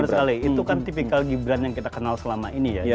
iya benar sekali itu kan tipikal gibran yang kita kenal selama ini ya